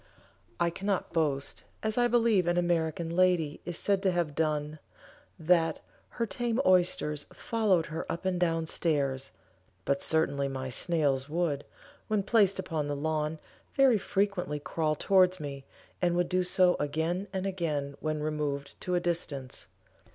I cannot boast, as I believe an American lady is said to have done, that "her tame oysters followed her up and down stairs," but certainly my snails would, when placed upon the lawn, very frequently crawl towards me, and would do so again and again when removed to a distance.